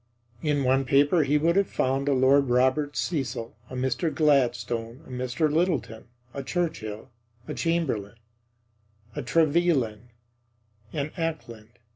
In one paper he would have found a Lord Robert Cecil, a Mr. Gladstone, a Mr. Lyttleton, a Churchill, a Chamberlain, a Trevelyan, an Acland.